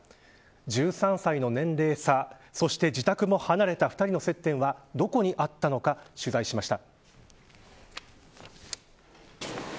１３歳の年齢差そして自宅も離れた２人の接点はどこにあったのか取材しました。